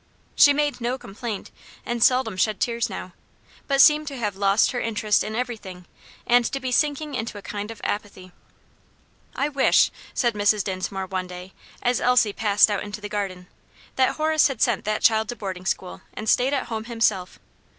She made no complaint, and seldom shed tears now; but seemed to have lost her interest in everything and to be sinking into a kind of apathy. "I wish," said Mrs. Dinsmore one day, as Elsie passed out into the garden, "that Horace had sent that child to boarding school, and stayed at home himself.